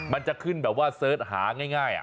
มันจะขึ้นแบบว่าเสิร์ชหาง่าย